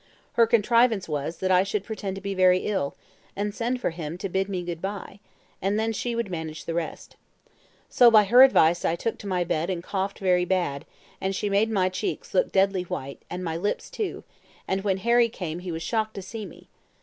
Her contrivance was, that I should pretend to be very ill, and send for him to bid me good bye, and then she would manage the rest. So by her advice I took to my bed and coughed very bad, and she made my cheeks look deadly white, and my lips too; and when Harry came he was shocked to see me.